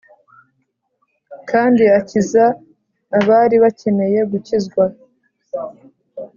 kandi akiza abari bakeneye gukizwa.